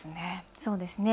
そうですね。